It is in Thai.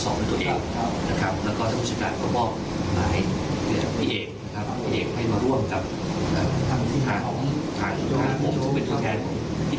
หกสิบล้าน